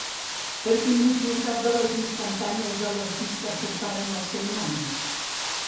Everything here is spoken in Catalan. Per quin motiu cap de les instantànies de l'artista portaren el seu nom?